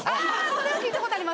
それは聞いたことあります。